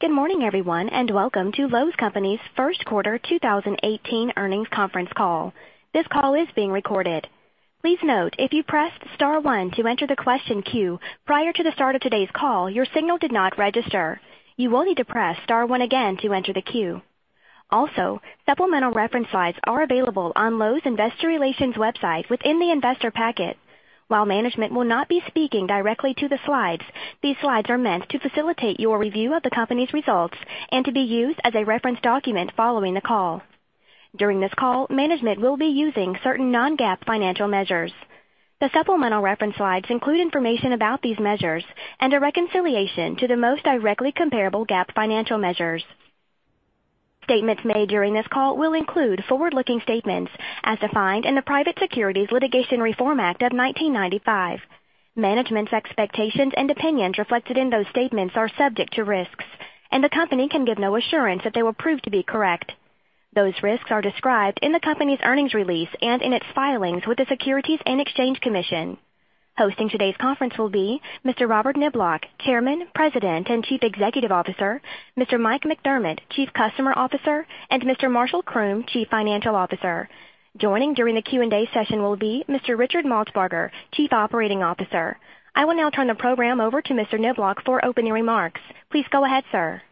Good morning everyone, welcome to Lowe's Companies first quarter 2018 earnings conference call. This call is being recorded. Please note if you pressed star one to enter the question queue prior to the start of today's call, your signal did not register. You will need to press star one again to enter the queue. Supplemental reference slides are available on Lowe's Investor Relations website within the investor packet. While management will not be speaking directly to the slides, these slides are meant to facilitate your review of the company's results and to be used as a reference document following the call. During this call, management will be using certain non-GAAP financial measures. The supplemental reference slides include information about these measures and a reconciliation to the most directly comparable GAAP financial measures. Statements made during this call will include forward-looking statements as defined in the Private Securities Litigation Reform Act of 1995. Management's expectations and opinions reflected in those statements are subject to risks. The company can give no assurance that they will prove to be correct. Those risks are described in the company's earnings release and in its filings with the Securities and Exchange Commission. Hosting today's conference will be Mr. Robert Niblock, Chairman, President and Chief Executive Officer, Mr. Mike McDermott, Chief Customer Officer, Mr. Marshall Croom, Chief Financial Officer. Joining during the Q&A session will be Mr. Richard Maltsbarger, Chief Operating Officer. I will now turn the program over to Mr. Niblock for opening remarks. Please go ahead, sir.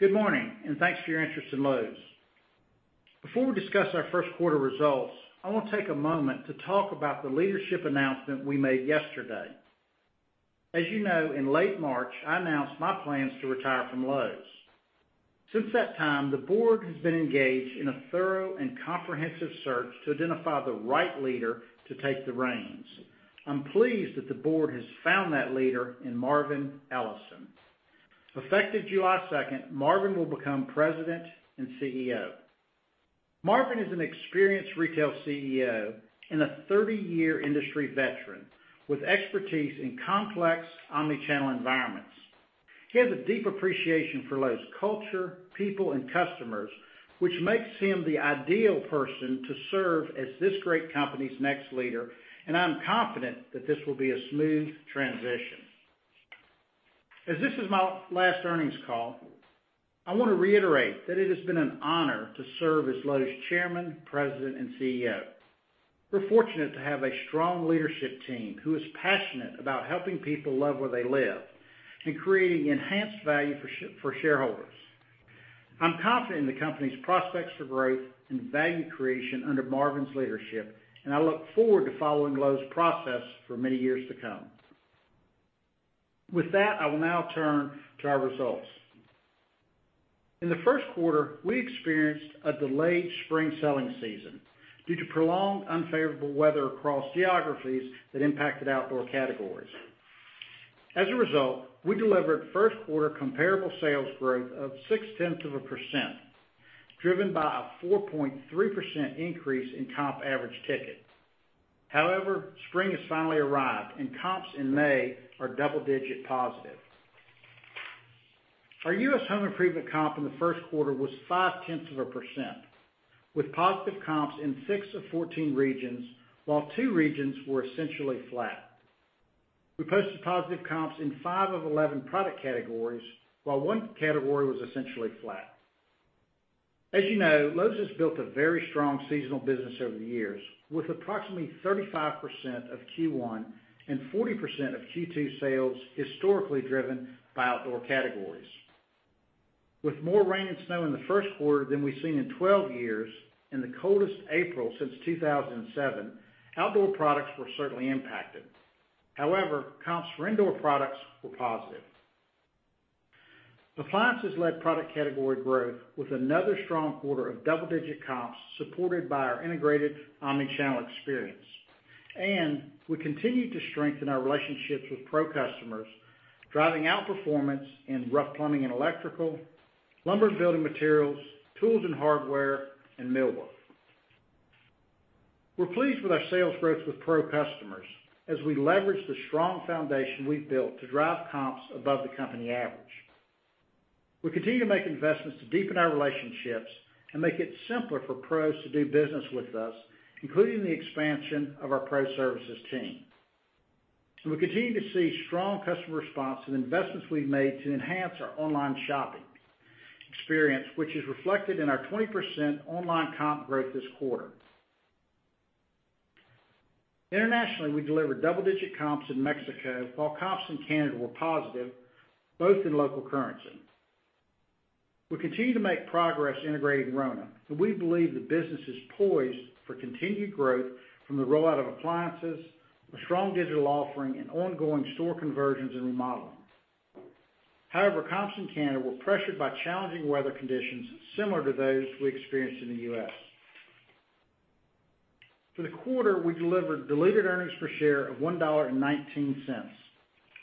Good morning and thanks for your interest in Lowe's. Before we discuss our first quarter results, I want to take a moment to talk about the leadership announcement we made yesterday. In late March, I announced my plans to retire from Lowe's. Since that time, the board has been engaged in a thorough and comprehensive search to identify the right leader to take the reins. I'm pleased that the board has found that leader in Marvin Ellison. Effective July 2nd, Marvin will become President and CEO. Marvin is an experienced retail CEO and a 30-year industry veteran with expertise in complex omni-channel environments. He has a deep appreciation for Lowe's culture, people and customers, which makes him the ideal person to serve as this great company's next leader. I'm confident that this will be a smooth transition. As this is my last earnings call, I want to reiterate that it has been an honor to serve as Lowe's Chairman, President and CEO. We're fortunate to have a strong leadership team who is passionate about helping people love where they live and creating enhanced value for shareholders. I'm confident in the company's prospects for growth and value creation under Marvin's leadership. I look forward to following Lowe's progress for many years to come. I will now turn to our results. In the first quarter, we experienced a delayed spring selling season due to prolonged unfavorable weather across geographies that impacted outdoor categories. We delivered first quarter comparable sales growth of 0.6%, driven by a 4.3% increase in comp average ticket. Spring has finally arrived and comps in May are double-digit positive. Our U.S. home improvement comp in the first quarter was 0.5%, with positive comps in six of 14 regions, while two regions were essentially flat. We posted positive comps in five of 11 product categories, while one category was essentially flat. As you know, Lowe's has built a very strong seasonal business over the years, with approximately 35% of Q1 and 40% of Q2 sales historically driven by outdoor categories. With more rain and snow in the first quarter than we've seen in 12 years and the coldest April since 2007, outdoor products were certainly impacted. However, comps for indoor products were positive. Appliances led product category growth with another strong quarter of double-digit comps supported by our integrated omni-channel experience. We continued to strengthen our relationships with pro customers, driving outperformance in rough plumbing and electrical, lumber and building materials, tools and hardware and millwork. We're pleased with our sales growth with pro customers as we leverage the strong foundation we've built to drive comps above the company average. We continue to make investments to deepen our relationships and make it simpler for pros to do business with us, including the expansion of our pro services team. We continue to see strong customer response to the investments we've made to enhance our online shopping experience, which is reflected in our 20% online comp growth this quarter. Internationally, we delivered double-digit comps in Mexico, while comps in Canada were positive both in local currency. We continue to make progress integrating RONA, and we believe the business is poised for continued growth from the rollout of appliances, a strong digital offering and ongoing store conversions and remodeling. However, comps in Canada were pressured by challenging weather conditions similar to those we experienced in the U.S. For the quarter, we delivered diluted earnings per share of $1.19,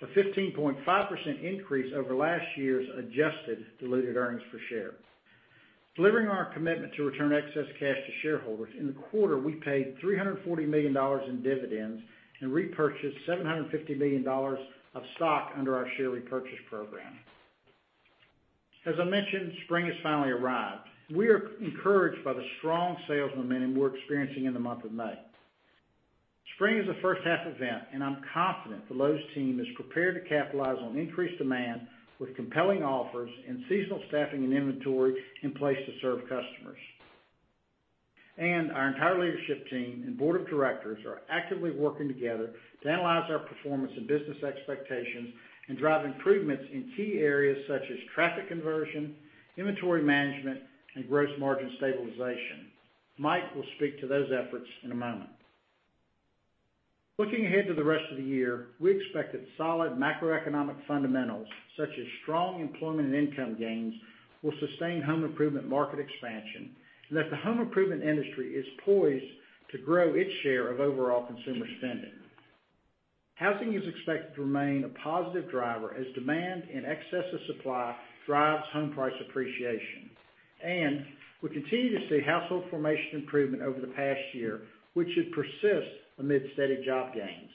a 15.5% increase over last year's adjusted diluted earnings per share. Delivering on our commitment to return excess cash to shareholders, in the quarter, we paid $340 million in dividends and repurchased $750 million of stock under our share repurchase program. As I mentioned, spring has finally arrived. We are encouraged by the strong sales momentum we're experiencing in the month of May. Spring is a first half event, and I'm confident the Lowe's team is prepared to capitalize on increased demand with compelling offers and seasonal staffing and inventory in place to serve customers. Our entire leadership team and board of directors are actively working together to analyze our performance and business expectations and drive improvements in key areas such as traffic conversion, inventory management, and gross margin stabilization. Mike will speak to those efforts in a moment. Looking ahead to the rest of the year, we expect that solid macroeconomic fundamentals, such as strong employment and income gains, will sustain home improvement market expansion and that the home improvement industry is poised to grow its share of overall consumer spending. Housing is expected to remain a positive driver as demand in excess of supply drives home price appreciation. We continue to see household formation improvement over the past year, which should persist amid steady job gains.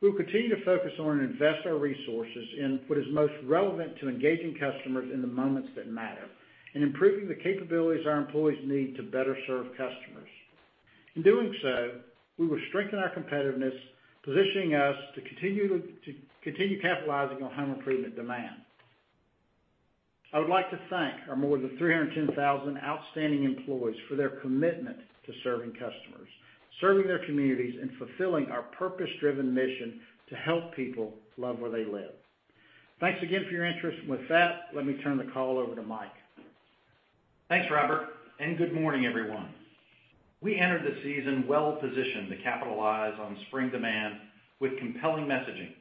We'll continue to focus on and invest our resources in what is most relevant to engaging customers in the moments that matter and improving the capabilities our employees need to better serve customers. In doing so, we will strengthen our competitiveness, positioning us to continue capitalizing on home improvement demand. I would like to thank our more than 310,000 outstanding employees for their commitment to serving customers, serving their communities, and fulfilling our purpose-driven mission to help people love where they live. Thanks again for your interest. With that, let me turn the call over to Mike. Thanks, Robert. Good morning, everyone. We entered the season well positioned to capitalize on spring demand with compelling messaging,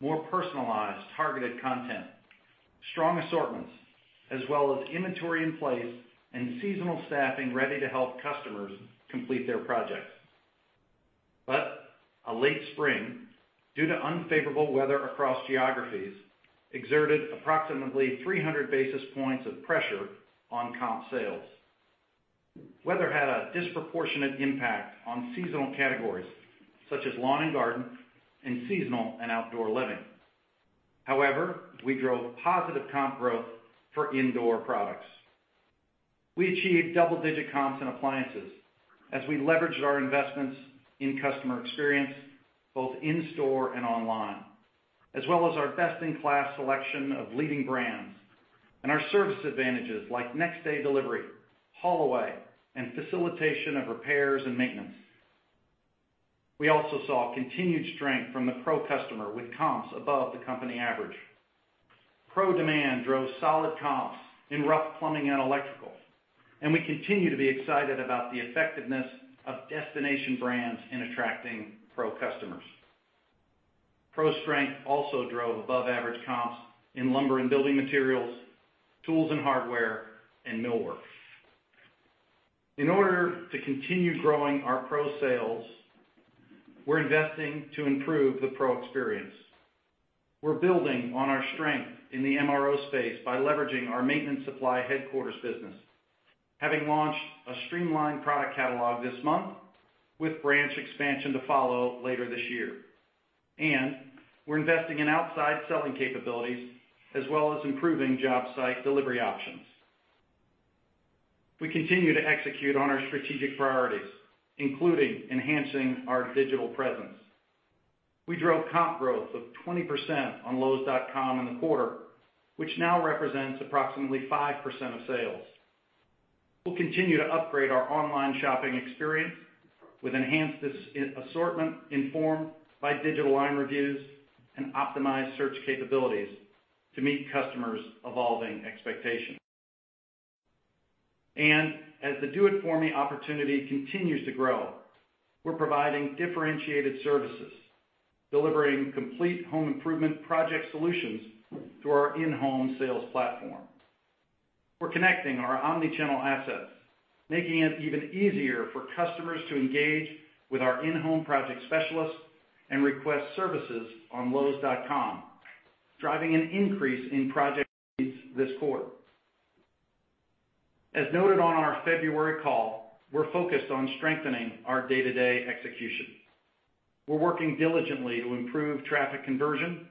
more personalized targeted content, strong assortments, as well as inventory in place and seasonal staffing ready to help customers complete their projects. A late spring, due to unfavorable weather across geographies, exerted approximately 300 basis points of pressure on comp sales. Weather had a disproportionate impact on seasonal categories such as lawn and garden and seasonal and outdoor living. However, we drove positive comp growth for indoor products. We achieved double-digit comps in appliances as we leveraged our investments in customer experience, both in store and online, as well as our best-in-class selection of leading brands and our service advantages like next-day delivery, haul away, and facilitation of repairs and maintenance. We also saw continued strength from the pro customer with comps above the company average. Pro demand drove solid comps in rough plumbing and electrical. We continue to be excited about the effectiveness of destination brands in attracting pro customers. Pro strength also drove above-average comps in lumber and building materials, tools and hardware, and millwork. In order to continue growing our pro sales, we're investing to improve the pro experience. We're building on our strength in the MRO space by leveraging our Maintenance Supply Headquarters business, having launched a streamlined product catalog this month with branch expansion to follow later this year. We're investing in outside selling capabilities as well as improving job site delivery options. We continue to execute on our strategic priorities, including enhancing our digital presence. We drove comp growth of 20% on lowes.com in the quarter, which now represents approximately 5% of sales. We'll continue to upgrade our online shopping experience with enhanced assortment informed by digital online reviews and optimized search capabilities to meet customers' evolving expectations. As the do it for me opportunity continues to grow, we're providing differentiated services, delivering complete home improvement project solutions through our in-home sales platform. We're connecting our omni-channel assets, making it even easier for customers to engage with our in-home project specialists and request services on lowes.com, driving an increase in project leads this quarter. As noted on our February call, we're focused on strengthening our day-to-day execution. We're working diligently to improve traffic conversion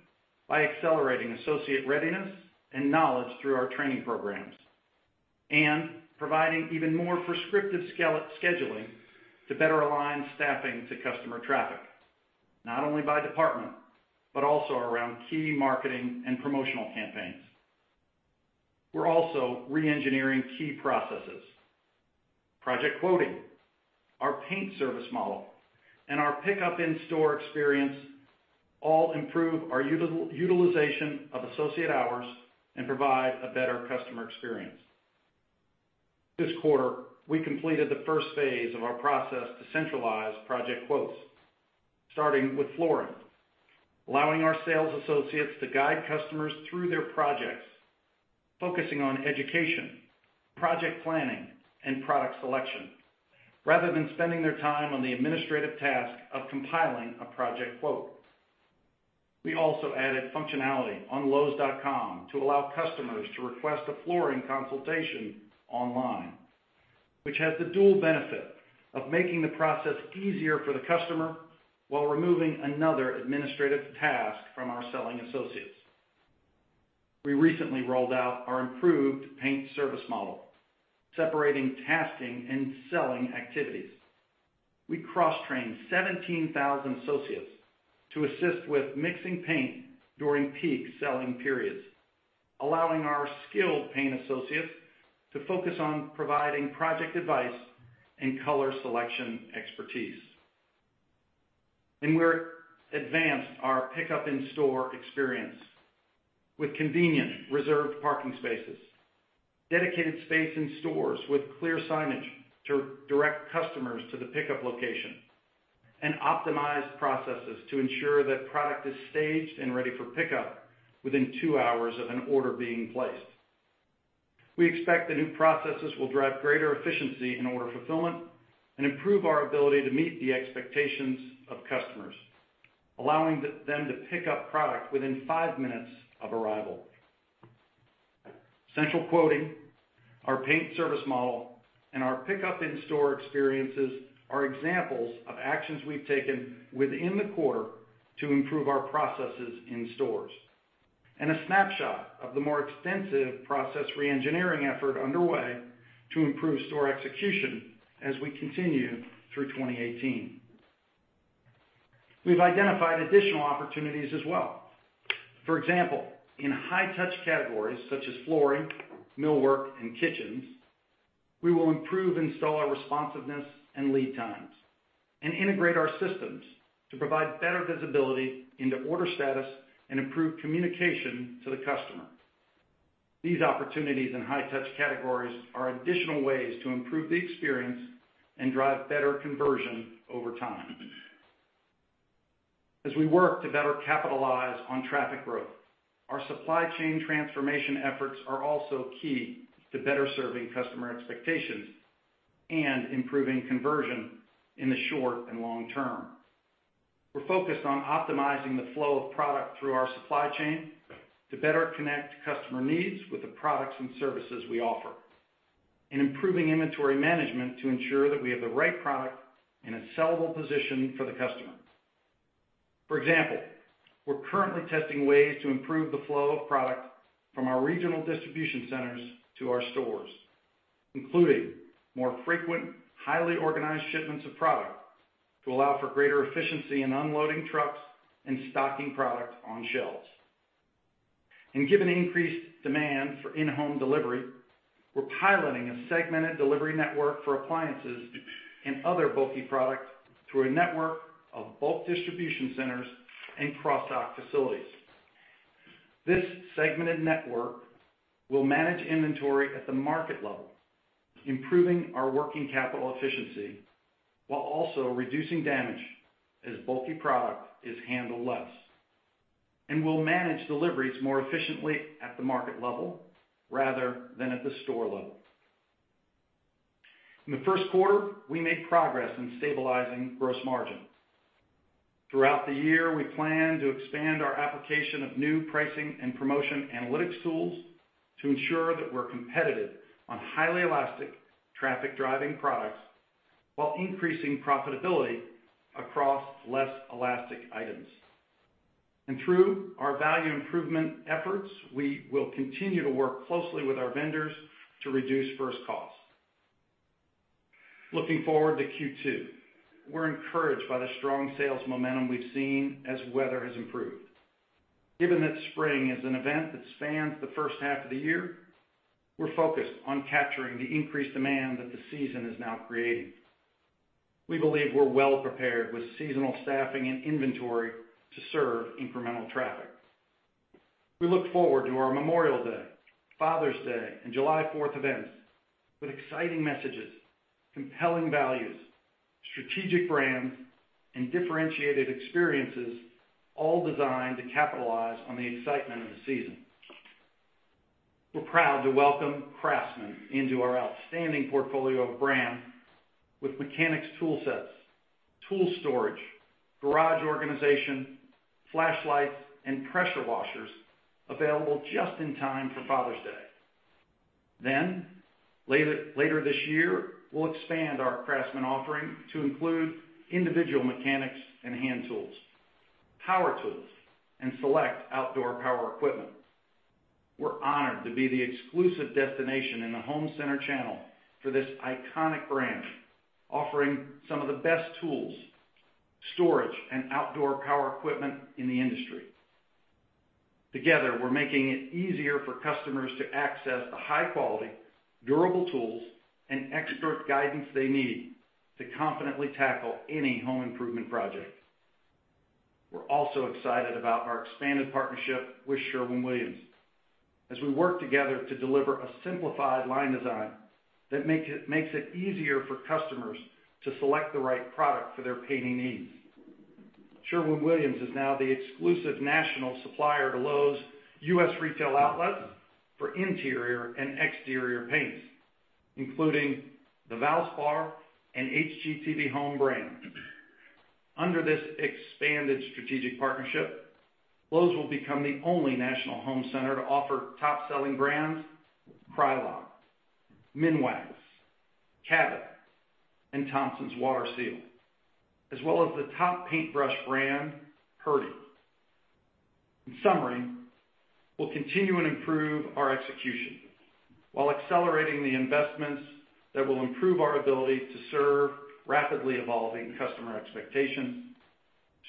by accelerating associate readiness and knowledge through our training programs and providing even more prescriptive scheduling to better align staffing to customer traffic, not only by department, but also around key marketing and promotional campaigns. We're also reengineering key processes. Project quoting, our paint service model, and our pickup in-store experience all improve our utilization of associate hours and provide a better customer experience. This quarter, we completed the first phase of our process to centralize project quotes, starting with flooring, allowing our sales associates to guide customers through their projects, focusing on education, project planning, and product selection, rather than spending their time on the administrative task of compiling a project quote. We also added functionality on lowes.com to allow customers to request a flooring consultation online, which has the dual benefit of making the process easier for the customer while removing another administrative task from our selling associates. We recently rolled out our improved paint service model, separating tasking and selling activities. We cross-trained 17,000 associates to assist with mixing paint during peak selling periods, allowing our skilled paint associates to focus on providing project advice and color selection expertise. We've advanced our pickup in-store experience with convenient reserved parking spaces, dedicated space in stores with clear signage to direct customers to the pickup location, and optimized processes to ensure that product is staged and ready for pickup within two hours of an order being placed. We expect the new processes will drive greater efficiency in order fulfillment and improve our ability to meet the expectations of customers, allowing them to pick up product within five minutes of arrival. Central quoting, our paint service model, and our pickup in-store experiences are examples of actions we've taken within the quarter to improve our processes in stores, and a snapshot of the more extensive process re-engineering effort underway to improve store execution as we continue through 2018. We've identified additional opportunities as well. For example, in high-touch categories such as flooring, millwork, and kitchens, we will improve installer responsiveness and lead times, and integrate our systems to provide better visibility into order status and improve communication to the customer. These opportunities in high-touch categories are additional ways to improve the experience and drive better conversion over time. As we work to better capitalize on traffic growth, our supply chain transformation efforts are also key to better serving customer expectations and improving conversion in the short and long term. We're focused on optimizing the flow of product through our supply chain to better connect customer needs with the products and services we offer, and improving inventory management to ensure that we have the right product in a sellable position for the customer. For example, we're currently testing ways to improve the flow of product from our regional distribution centers to our stores, including more frequent, highly organized shipments of product to allow for greater efficiency in unloading trucks and stocking product on shelves. Given the increased demand for in-home delivery, we're piloting a segmented delivery network for appliances and other bulky products through a network of bulk distribution centers and cross-dock facilities. This segmented network will manage inventory at the market level, improving our working capital efficiency while also reducing damage as bulky product is handled less and will manage deliveries more efficiently at the market level rather than at the store level. In the first quarter, we made progress in stabilizing gross margin. Throughout the year, we plan to expand our application of new pricing and promotion analytics tools to ensure that we're competitive on highly elastic traffic-driving products while increasing profitability across less elastic items. Through our value improvement efforts, we will continue to work closely with our vendors to reduce first cost. Looking forward to Q2, we're encouraged by the strong sales momentum we've seen as weather has improved. Given that spring is an event that spans the first half of the year, we're focused on capturing the increased demand that the season is now creating. We believe we're well prepared with seasonal staffing and inventory to serve incremental traffic. We look forward to our Memorial Day, Father's Day, and July 4th events with exciting messages, compelling values, strategic brands, and differentiated experiences, all designed to capitalize on the excitement of the season. We're proud to welcome Craftsman into our outstanding portfolio of brands with mechanics tool sets, tool storage, garage organization, flashlights, and pressure washers available just in time for Father's Day. Later this year, we'll expand our Craftsman offering to include individual mechanics and hand tools, power tools, and select outdoor power equipment. We're honored to be the exclusive destination in the home center channel for this iconic brand, offering some of the best tools, storage, and outdoor power equipment in the industry. Together, we're making it easier for customers to access the high-quality, durable tools and expert guidance they need to confidently tackle any home improvement project. We're also excited about our expanded partnership with Sherwin-Williams as we work together to deliver a simplified line design that makes it easier for customers to select the right product for their painting needs. Sherwin-Williams is now the exclusive national supplier to Lowe's U.S. retail outlets for interior and exterior paints, including the Valspar and HGTV Home brands. Under this expanded strategic partnership, Lowe's will become the only national home center to offer top-selling brands Krylon Minwax, Cabot, and Thompson's WaterSeal, as well as the top paintbrush brand, Purdy. In summary, we'll continue and improve our execution while accelerating the investments that will improve our ability to serve rapidly evolving customer expectations,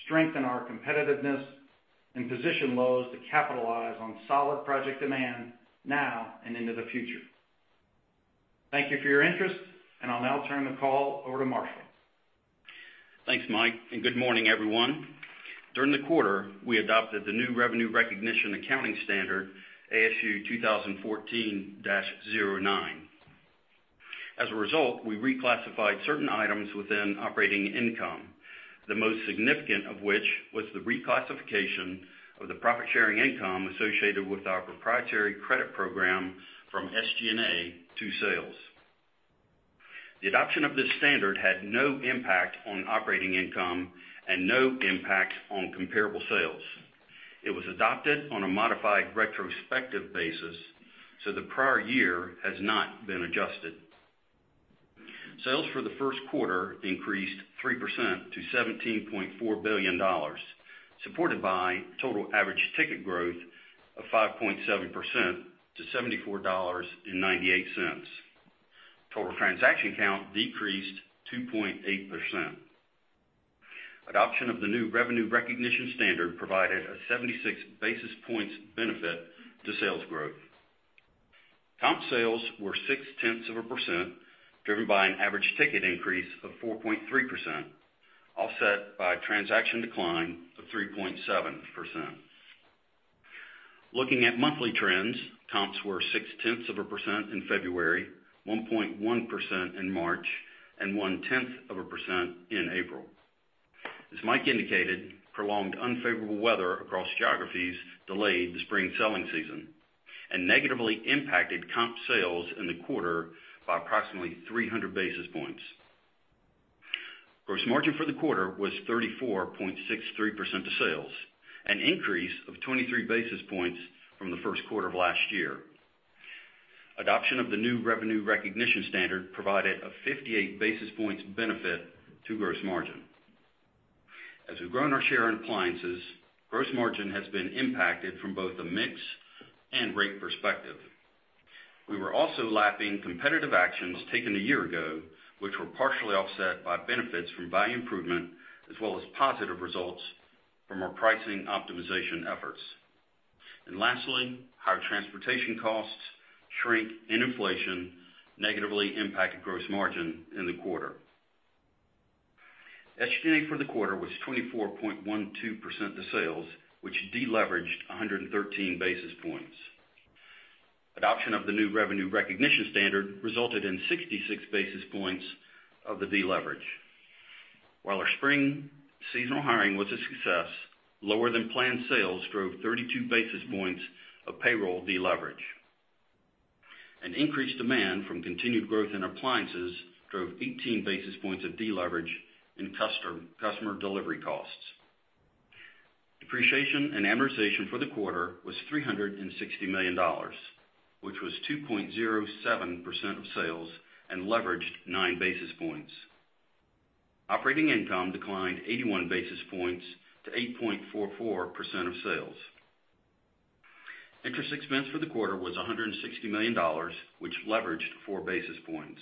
strengthen our competitiveness, and position Lowe's to capitalize on solid project demand now and into the future. Thank you for your interest, and I'll now turn the call over to Marshall. Thanks, Mike, and good morning, everyone. During the quarter, we adopted the new revenue recognition accounting standard, ASU 2014-09. As a result, we reclassified certain items within operating income, the most significant of which was the reclassification of the profit-sharing income associated with our proprietary credit program from SG&A to sales. The adoption of this standard had no impact on operating income and no impact on comparable sales. It was adopted on a modified retrospective basis, so the prior year has not been adjusted. Sales for the first quarter increased 3% to $17.4 billion, supported by total average ticket growth of 5.7% to $74.98. Total transaction count decreased 2.8%. Adoption of the new revenue recognition standard provided a 76 basis points benefit to sales growth. Comp sales were 0.6%, driven by an average ticket increase of 4.3%, offset by transaction decline of 3.7%. Looking at monthly trends, comps were 0.6% in February, 1.1% in March, and 0.1% in April. As Mike indicated, prolonged unfavorable weather across geographies delayed the spring selling season and negatively impacted comp sales in the quarter by approximately 300 basis points. Gross margin for the quarter was 34.63% of sales, an increase of 23 basis points from the first quarter of last year. Adoption of the new revenue recognition standard provided a 58 basis points benefit to gross margin. As we've grown our share in appliances, gross margin has been impacted from both the mix and rate perspective. We were also lapping competitive actions taken a year ago, which were partially offset by benefits from value improvement as well as positive results from our pricing optimization efforts. Lastly, higher transportation costs, shrink and inflation negatively impacted gross margin in the quarter. SG&A for the quarter was 24.12% of sales, which deleveraged 113 basis points. Adoption of the new revenue recognition standard resulted in 66 basis points of the deleverage. While our spring seasonal hiring was a success, lower-than-planned sales drove 32 basis points of payroll deleverage. An increased demand from continued growth in appliances drove 18 basis points of deleverage in customer delivery costs. Depreciation and amortization for the quarter was $360 million, which was 2.07% of sales and leveraged 9 basis points. Operating income declined 81 basis points to 8.44% of sales. Interest expense for the quarter was $160 million, which leveraged 4 basis points.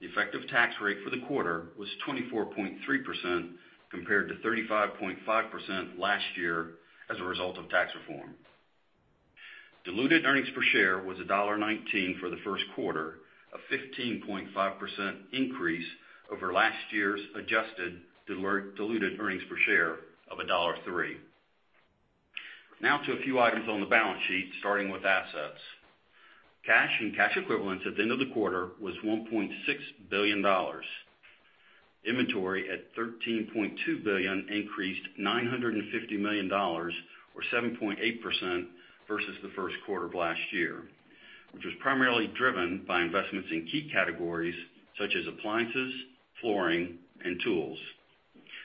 The effective tax rate for the quarter was 24.3% compared to 35.5% last year as a result of tax reform. Diluted earnings per share was $1.19 for the first quarter, a 15.5% increase over last year's adjusted diluted earnings per share of $1.03. Now to a few items on the balance sheet, starting with assets. Cash and cash equivalents at the end of the quarter was $1.6 billion. Inventory at $13.2 billion increased $950 million or 7.8% versus the first quarter of last year, which was primarily driven by investments in key categories such as appliances, flooring, and tools,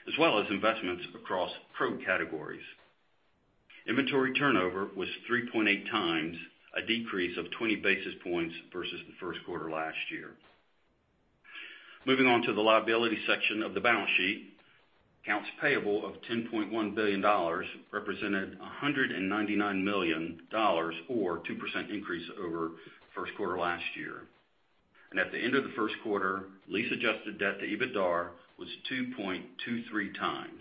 as well as investments across Pro categories. Inventory turnover was 3.8 times, a decrease of 20 basis points versus the first quarter last year. Moving on to the liability section of the balance sheet. Accounts payable of $10.1 billion represented $199 million or 2% increase over first quarter last year. At the end of the first quarter, lease adjusted debt to EBITDA was 2.23 times.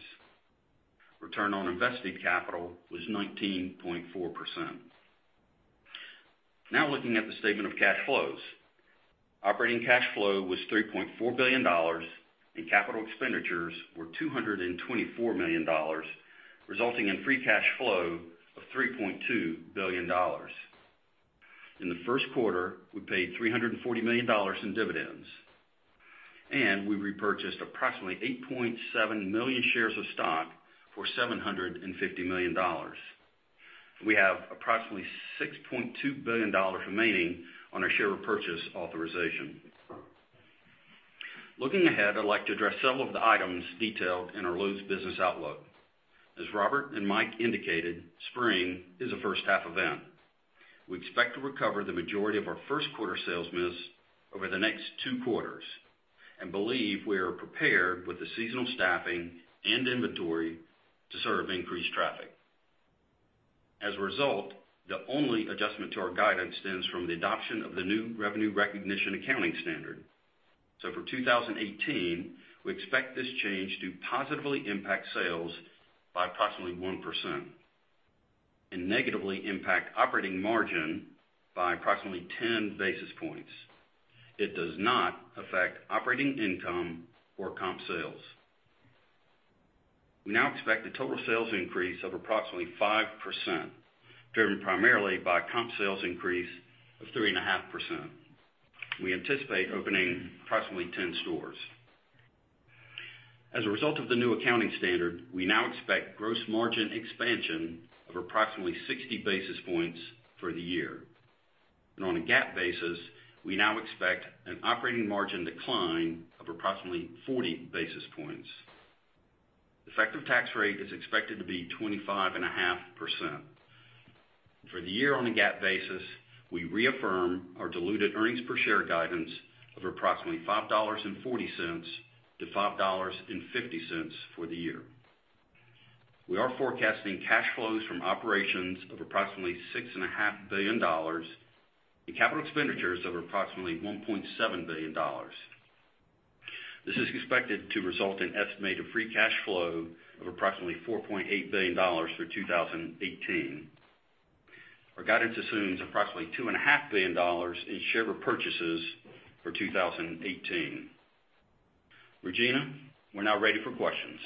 Return on invested capital was 19.4%. Looking at the statement of cash flows. Operating cash flow was $3.4 billion and capital expenditures were $224 million, resulting in free cash flow of $3.2 billion. In the first quarter, we paid $340 million in dividends, and we repurchased approximately 8.7 million shares of stock for $750 million. We have approximately $6.2 billion remaining on our share repurchase authorization. Looking ahead, I'd like to address several of the items detailed in our Lowe's business outlook. As Robert and Mike McDermott indicated, spring is a first-half event. We expect to recover the majority of our first quarter sales miss over the next two quarters, and believe we are prepared with the seasonal staffing and inventory to serve increased traffic. The only adjustment to our guidance stems from the adoption of the new revenue recognition accounting standard. For 2018, we expect this change to positively impact sales by approximately 1% and negatively impact operating margin by approximately 10 basis points. It does not affect operating income or comp sales. We now expect a total sales increase of approximately 5%, driven primarily by comp sales increase of 3.5%. We anticipate opening approximately 10 stores. Of the new accounting standard, we now expect gross margin expansion of approximately 60 basis points for the year. On a GAAP basis, we now expect an operating margin decline of approximately 40 basis points. Effective tax rate is expected to be 25.5%. For the year on a GAAP basis, we reaffirm our diluted earnings per share guidance of approximately $5.40 to $5.50 for the year. We are forecasting cash flows from operations of approximately $6.5 billion, and capital expenditures of approximately $1.7 billion. This is expected to result in estimated free cash flow of approximately $4.8 billion for 2018. Our guidance assumes approximately $2.5 billion in share repurchases for 2018. Regina, we're now ready for questions.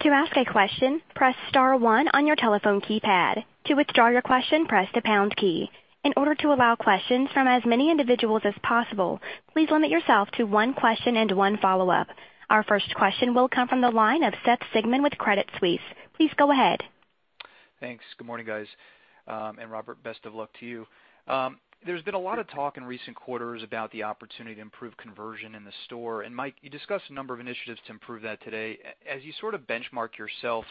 To ask a question, press star 1 on your telephone keypad. To withdraw your question, press the pound key. In order to allow questions from as many individuals as possible, please limit yourself to one question and one follow-up. Our first question will come from the line of Seth Sigman with Credit Suisse. Please go ahead. Thanks. Good morning, guys. Robert, best of luck to you. There's been a lot of talk in recent quarters about the opportunity to improve conversion in the store. Mike, you discussed a number of initiatives to improve that today. As you sort of benchmark yourself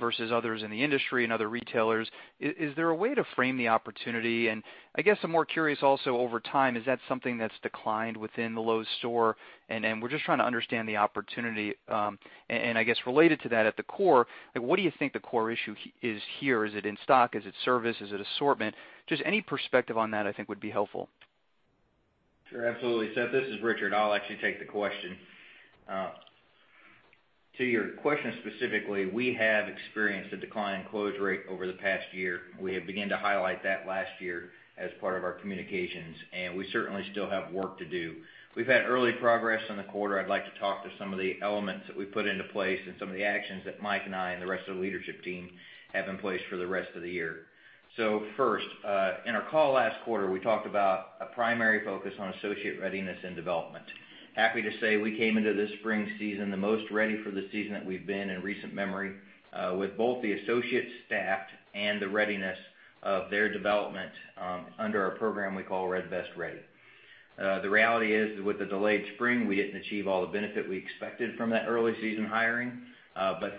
versus others in the industry and other retailers, is there a way to frame the opportunity? I guess I'm more curious also over time, is that something that's declined within the Lowe's store? We're just trying to understand the opportunity, I guess related to that at the core, like what do you think the core issue is here? Is it in stock? Is it service? Is it assortment? Just any perspective on that I think would be helpful. Sure, absolutely. Seth, this is Richard. I'll actually take the question. To your question specifically, we have experienced a decline in close rate over the past year. We have began to highlight that last year as part of our communications. We certainly still have work to do. We've had early progress in the quarter. I'd like to talk to some of the elements that we've put into place and some of the actions that Mike and I and the rest of the leadership team have in place for the rest of the year. First, in our call last quarter, we talked about a primary focus on associate readiness and development. Happy to say we came into this spring season the most ready for the season that we've been in recent memory, with both the associate staff and the readiness of their development, under a program we call Red Vest Ready. The reality is, with the delayed spring, we didn't achieve all the benefit we expected from that early season hiring.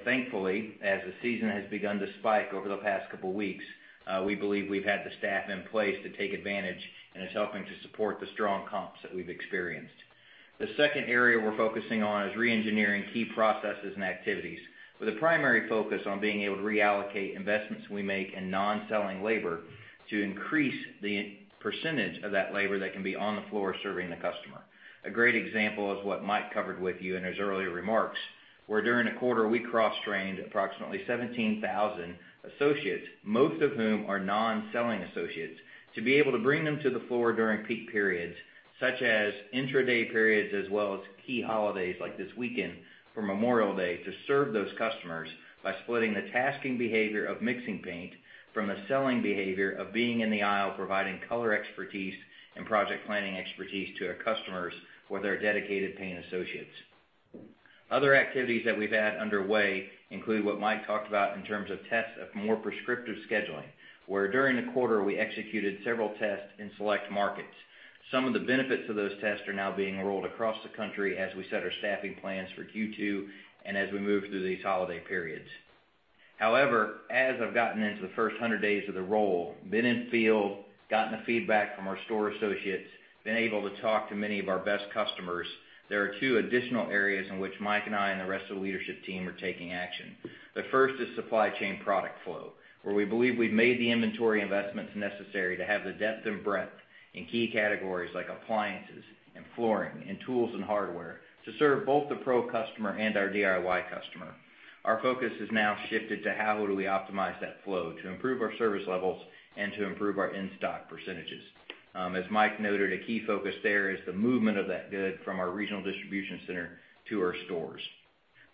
Thankfully, as the season has begun to spike over the past couple weeks, we believe we've had the staff in place to take advantage, and it's helping to support the strong comps that we've experienced. The second area we're focusing on is reengineering key processes and activities with a primary focus on being able to reallocate investments we make in non-selling labor to increase the percentage of that labor that can be on the floor serving the customer. A great example is what Mike covered with you in his earlier remarks, where during the quarter, we cross-trained approximately 17,000 associates, most of whom are non-selling associates, to be able to bring them to the floor during peak periods, such as intraday periods, as well as key holidays like this weekend for Memorial Day, to serve those customers by splitting the tasking behavior of mixing paint from the selling behavior of being in the aisle providing color expertise and project planning expertise to our customers with our dedicated paint associates. Other activities that we've had underway include what Mike talked about in terms of tests of more prescriptive scheduling, where during the quarter we executed several tests in select markets. Some of the benefits of those tests are now being rolled across the country as we set our staffing plans for Q2, and as we move through these holiday periods. However, as I've gotten into the first 100 days of the role, been in field, gotten the feedback from our store associates, been able to talk to many of our best customers, there are two additional areas in which Mike and I and the rest of the leadership team are taking action. The first is supply chain product flow, where we believe we've made the inventory investments necessary to have the depth and breadth in key categories like appliances and flooring and tools and hardware to serve both the pro customer and our DIY customer. Our focus has now shifted to how do we optimize that flow to improve our service levels and to improve our in-stock percentages. As Mike noted, a key focus there is the movement of that good from our regional distribution center to our stores.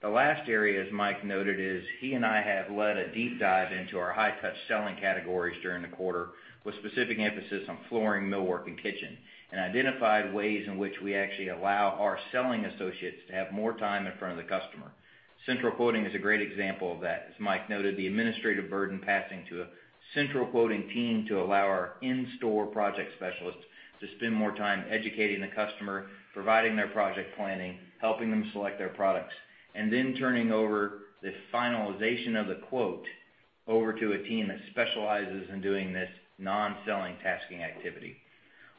The last area, as Mike noted, is he and I have led a deep dive into our high-touch selling categories during the quarter, with specific emphasis on flooring, millwork, and kitchen, and identified ways in which we actually allow our selling associates to have more time in front of the customer. Central quoting is a great example of that. As Mike noted, the administrative burden passing to a central quoting team to allow our in-store project specialists to spend more time educating the customer, providing their project planning, helping them select their products, and then turning over the finalization of the quote over to a team that specializes in doing this non-selling tasking activity.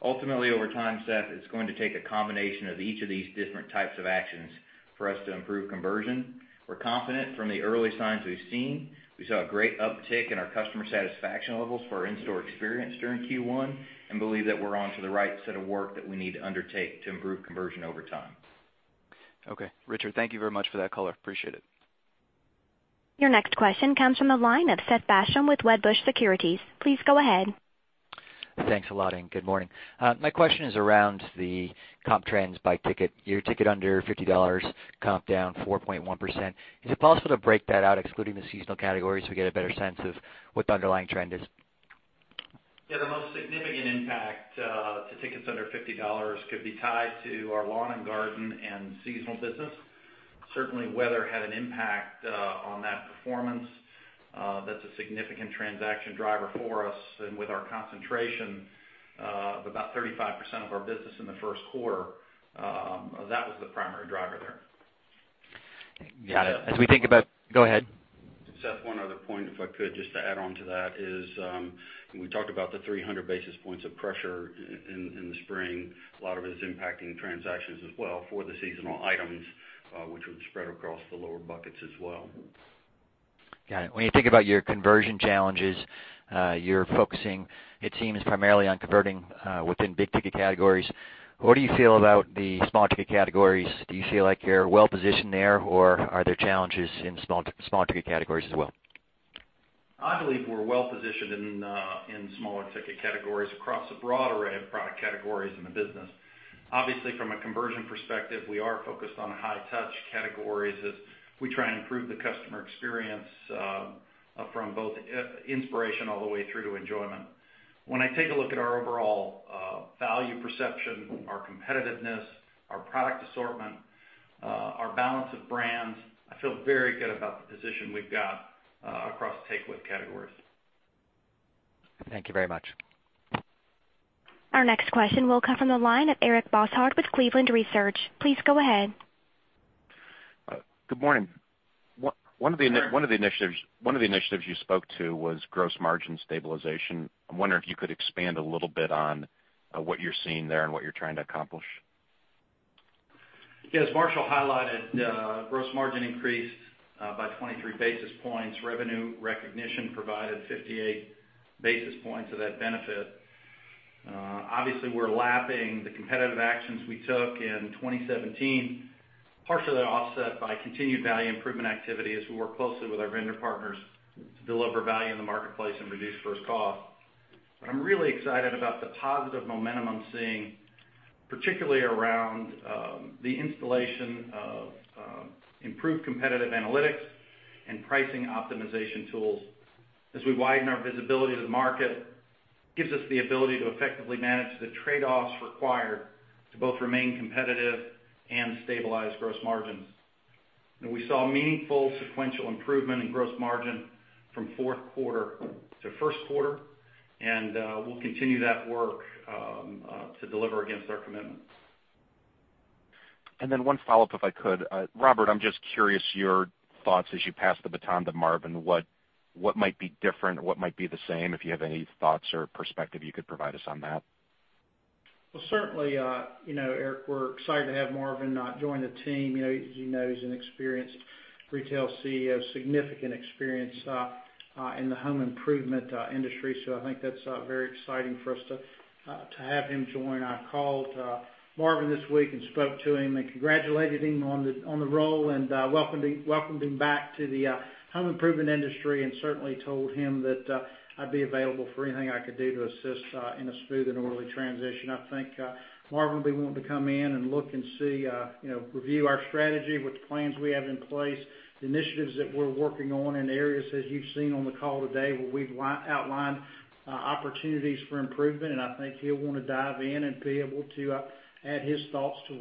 Ultimately, over time, Seth, it's going to take a combination of each of these different types of actions for us to improve conversion. We're confident from the early signs we've seen. We saw a great uptick in our customer satisfaction levels for our in-store experience during Q1 and believe that we're onto the right set of work that we need to undertake to improve conversion over time. Okay. Richard, thank you very much for that color. Appreciate it. Your next question comes from the line of Seth Basham with Wedbush Securities. Please go ahead. Thanks a lot. Good morning. My question is around the comp trends by ticket. Your ticket under $50 comp down 4.1%. Is it possible to break that out, excluding the seasonal categories, so we get a better sense of what the underlying trend is? Yeah. The most significant impact to tickets under $50 could be tied to our lawn and garden and seasonal business. Certainly, weather had an impact on that performance. That's a significant transaction driver for us. With our concentration of about 35% of our business in the first quarter, that was the primary driver there. Got it. Go ahead. Seth, one other point, if I could, just to add on to that is, when we talked about the 300 basis points of pressure in the spring, a lot of it is impacting transactions as well for the seasonal items, which would spread across the lower buckets as well. Got it. When you think about your conversion challenges, you're focusing, it seems, primarily on converting within big-ticket categories. What do you feel about the small-ticket categories? Do you feel like you're well-positioned there, or are there challenges in small-ticket categories as well? I believe we're well-positioned in smaller ticket categories across a broad array of product categories in the business. Obviously, from a conversion perspective, we are focused on high-touch categories as we try and improve the customer experience from both inspiration all the way through to enjoyment. When I take a look at our overall value perception, our competitiveness, our product assortment, our balance of brands, I feel very good about the position we've got across the take with categories. Thank you very much. Our next question will come from the line of Eric Bosshard with Cleveland Research. Please go ahead. Good morning. One of the initiatives you spoke to was gross margin stabilization. I'm wondering if you could expand a little bit on what you're seeing there and what you're trying to accomplish. Yeah. As Marshall highlighted, gross margin increased by 23 basis points. Revenue recognition provided 58 basis points of that benefit. Obviously, we're lapping the competitive actions we took in 2017, partially offset by continued value improvement activity as we work closely with our vendor partners to deliver value in the marketplace and reduce first cost. I'm really excited about the positive momentum I'm seeing, particularly around the installation of improved competitive analytics and pricing optimization tools. As we widen our visibility to the market, gives us the ability to effectively manage the trade-offs required to both remain competitive and stabilize gross margins. We saw meaningful sequential improvement in gross margin from fourth quarter to first quarter, and we'll continue that work to deliver against our commitments. Then one follow-up, if I could. Robert, I'm just curious, your thoughts as you pass the baton to Marvin, what might be different and what might be the same? If you have any thoughts or perspective you could provide us on that. Well, certainly, Eric, we're excited to have Marvin join the team. As you know, he's an experienced retail CEO, significant experience in the home improvement industry. I think that's very exciting for us to have him join. I called Marvin this week and spoke to him and congratulated him on the role and welcomed him back to the home improvement industry and certainly told him that I'd be available for anything I could do to assist in a smooth and orderly transition. I think Marvin will be willing to come in and look and see, review our strategy, what plans we have in place, the initiatives that we're working on in areas, as you've seen on the call today, where we've outlined opportunities for improvement. I think he'll want to dive in and be able to add his thoughts to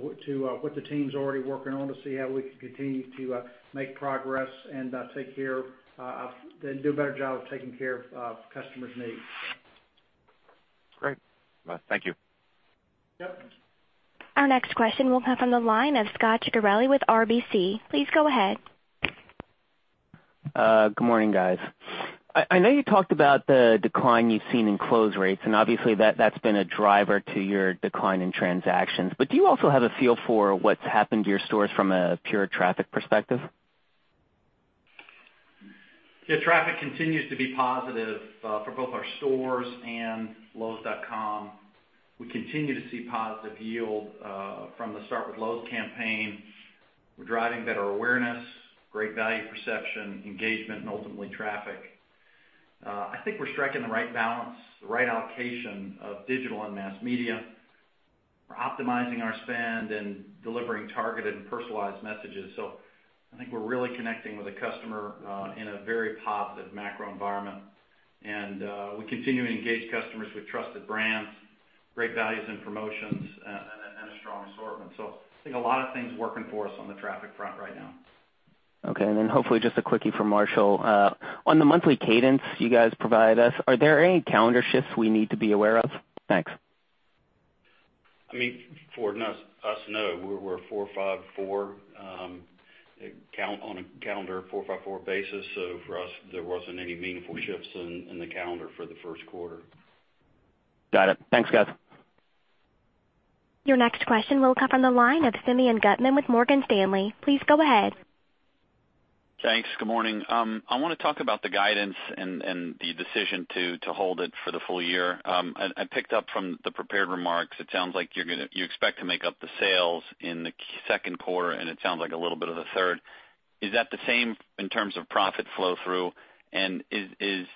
what the team's already working on to see how we can continue to make progress and do a better job of taking care of customers' needs. Great. Thank you. Yep. Our next question will come from the line of Scot Ciccarelli with RBC. Please go ahead. Good morning, guys. I know you talked about the decline you've seen in close rates, obviously that's been a driver to your decline in transactions. Do you also have a feel for what's happened to your stores from a pure traffic perspective? Yeah. Traffic continues to be positive for both our stores and lowes.com. We continue to see positive yield from the Start with Lowe's campaign. We're driving better awareness, great value perception, engagement, and ultimately traffic. I think we're striking the right balance, the right allocation of digital and mass media. We're optimizing our spend and delivering targeted and personalized messages. I think we're really connect- The customer in a very positive macro environment. We continue to engage customers with trusted brands, great values and promotions, and a strong assortment. I think a lot of things working for us on the traffic front right now. Okay. Hopefully just a quickie for Marshall. On the monthly cadence you guys provide us, are there any calendar shifts we need to be aware of? Thanks. For us, no. We're a four, five, four on a calendar four, five, four basis. For us, there wasn't any meaningful shifts in the calendar for the first quarter. Got it. Thanks, guys. Your next question will come from the line of Simeon Gutman with Morgan Stanley. Please go ahead. Thanks. Good morning. I want to talk about the guidance and the decision to hold it for the full year. I picked up from the prepared remarks, it sounds like you expect to make up the sales in the second quarter, and it sounds like a little bit of the third. Is that the same in terms of profit flow through? Is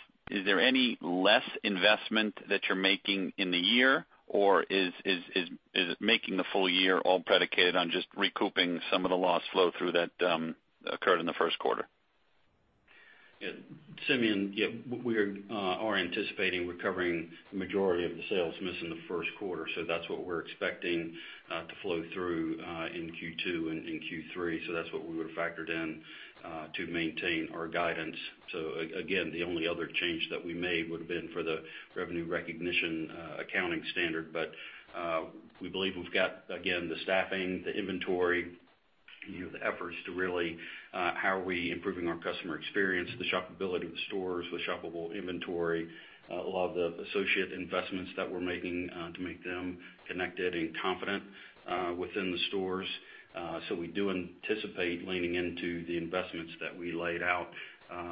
there any less investment that you're making in the year or is making the full year all predicated on just recouping some of the lost flow through that occurred in the first quarter? Simeon, yeah, we are anticipating recovering the majority of the sales missed in the first quarter. That's what we're expecting to flow through in Q2 and in Q3. That's what we would have factored in to maintain our guidance. Again, the only other change that we made would've been for the revenue recognition accounting standard. We believe we've got, again, the staffing, the inventory, the efforts to really how are we improving our customer experience, the shopability of the stores with shoppable inventory. A lot of the associate investments that we're making to make them connected and confident within the stores. We do anticipate leaning into the investments that we laid out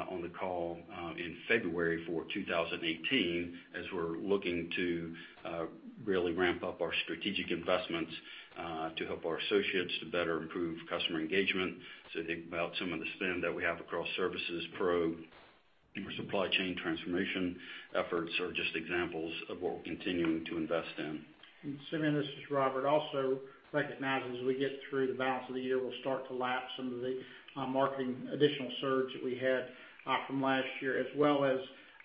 on the call in February for 2018, as we're looking to really ramp up our strategic investments to help our associates to better improve customer engagement. Think about some of the spend that we have across services, pro, supply chain transformation efforts are just examples of what we're continuing to invest in. Simeon, this is Robert. Also recognize as we get through the balance of the year, we'll start to lap some of the marketing additional surge that we had from last year, as well as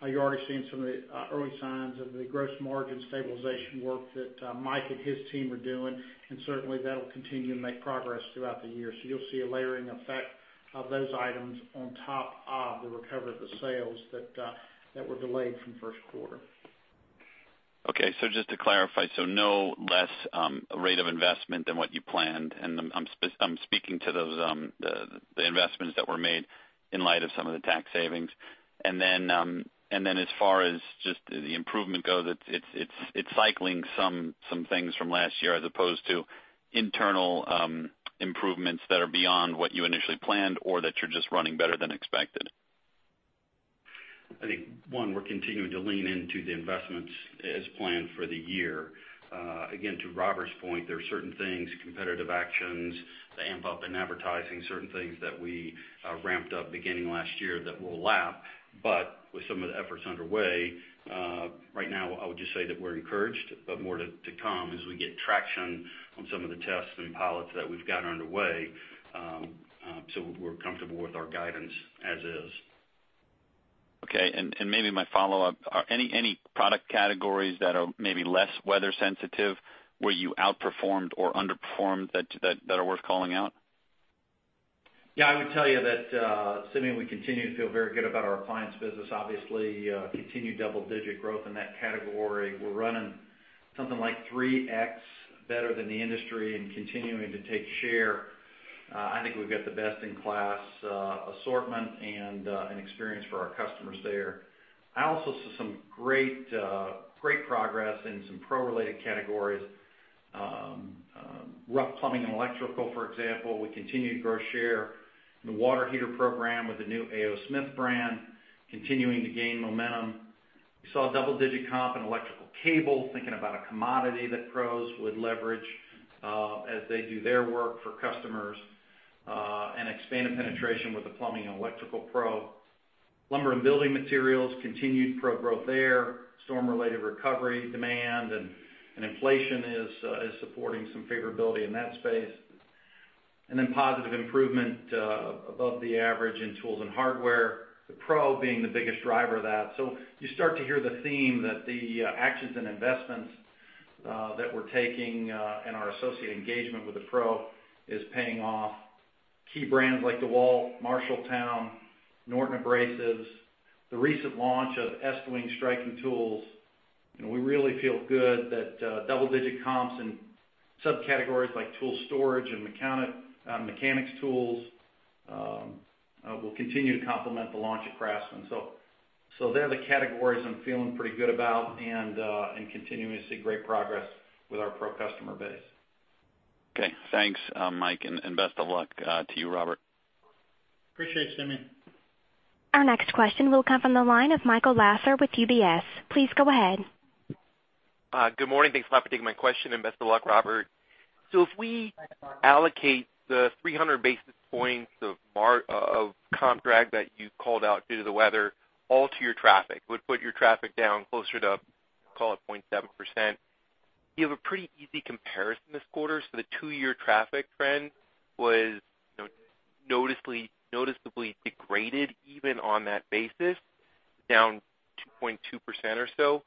you're already seeing some of the early signs of the gross margin stabilization work that Mike and his team are doing, and certainly that'll continue to make progress throughout the year. You'll see a layering effect of those items on top of the recovery of the sales that were delayed from first quarter. Just to clarify, no less rate of investment than what you planned, I'm speaking to the investments that were made in light of some of the tax savings. Then as far as just the improvement goes, it's cycling some things from last year as opposed to internal improvements that are beyond what you initially planned or that you're just running better than expected. We're continuing to lean into the investments as planned for the year. Again, to Robert's point, there are certain things, competitive actions to amp up in advertising, certain things that we ramped up beginning last year that will lap. With some of the efforts underway, right now, I would just say that we're encouraged, but more to come as we get traction on some of the tests and pilots that we've got underway. We're comfortable with our guidance as is. Okay, my follow-up. Any product categories that are maybe less weather sensitive where you outperformed or underperformed that are worth calling out? Yeah, I would tell you that, Simeon, we continue to feel very good about our appliance business. Obviously, continued double-digit growth in that category. We're running something like 3x better than the industry and continuing to take share. I think we've got the best in class assortment and experience for our customers there. I also see some great progress in some pro-related categories. Rough plumbing and electrical, for example. We continue to grow share in the water heater program with the new A. O. Smith brand continuing to gain momentum. We saw double-digit comp in electrical cable, thinking about a commodity that pros would leverage as they do their work for customers, and expanded penetration with the plumbing and electrical pro. Lumber and building materials, continued pro growth there. Storm-related recovery demand and inflation is supporting some favorability in that space. Positive improvement above the average in tools and hardware, the pro being the biggest driver of that. You start to hear the theme that the actions and investments that we're taking and our associate engagement with the pro is paying off. Key brands like DEWALT, MARSHALLTOWN, Norton Abrasives, the recent launch of Estwing striking tools. We really feel good that double-digit comps in subcategories like tool storage and mechanics tools will continue to complement the launch of Craftsman. They're the categories I'm feeling pretty good about and continue to see great progress with our pro customer base. Okay, thanks Mike, and best of luck to you, Robert. Appreciate it, Simeon. Our next question will come from the line of Michael Lasser with UBS. Please go ahead. Good morning. Thanks a lot for taking my question and best of luck, Robert. If we allocate the 300 basis points of comp drag that you called out due to the weather all to your traffic would put your traffic down closer to, call it 0.7%. You have a pretty easy comparison this quarter. The two-year traffic trend was noticeably degraded even on that basis, down 2.2% or so.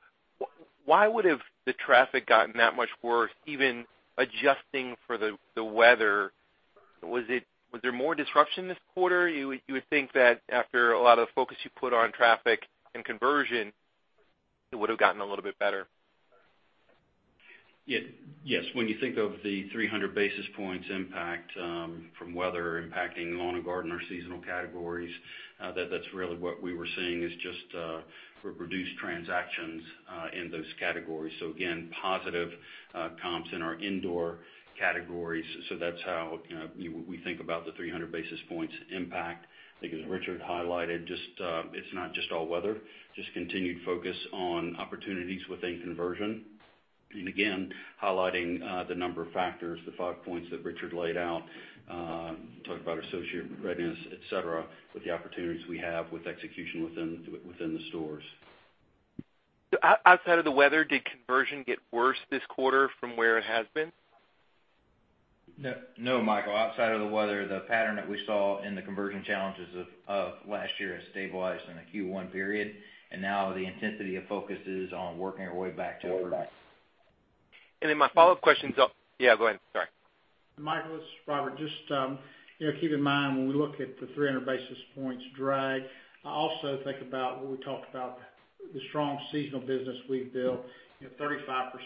Why would the traffic gotten that much worse even adjusting for the weather? Was there more disruption this quarter? You would think that after a lot of focus you put on traffic and conversion, it would've gotten a little bit better. Yes. When you think of the 300 basis points impact from weather impacting lawn and garden, our seasonal categories, that's really what we were seeing is just reduced transactions in those categories. Again, positive comps in our indoor categories. That's how we think about the 300 basis points impact. I think as Richard highlighted, it's not just all weather. Just continued focus on opportunities within conversion. Again, highlighting the number of factors, the five points that Richard laid out, talking about associate readiness, et cetera, with the opportunities we have with execution within the stores. Outside of the weather, did conversion get worse this quarter from where it has been? No, Michael. Outside of the weather, the pattern that we saw in the conversion challenges of last year has stabilized in the Q1 period. Now the intensity of focus is on working our way back to Then my follow-up question. Yeah, go ahead. Sorry. Michael, this is Robert. Just keep in mind when we look at the 300 basis points drag, also think about when we talked about the strong seasonal business we've built, 35%